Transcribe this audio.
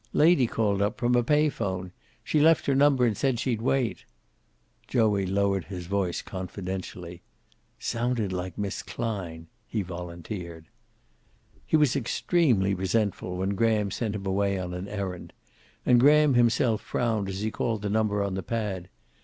"Lady called up, from a pay phone. She left her number and said she'd wait." Joey lowered his voice confidentially. "Sounded like Miss Klein," he volunteered. He was extremely resentful when Graham sent him away on an errand. And Graham himself frowned as he called the number on the pad.